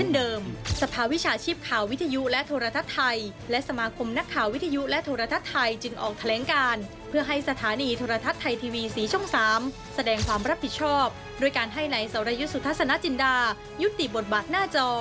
โดยการให้ในเสาระยุทธศนาจินดายุติบทบาทหน้าจอ